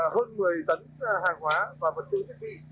hơn một mươi tấn hàng hóa và vật tư thiết bị